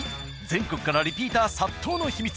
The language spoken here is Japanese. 全国からリピーター殺到の秘密